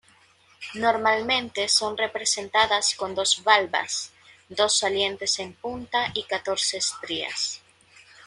Normalmente son representadas con dos valvas, dos salientes en punta y catorce estrías.